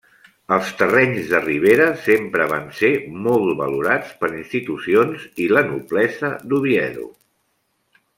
Els terrenys de Ribera sempre van ser molt valorats per institucions i la noblesa d'Oviedo.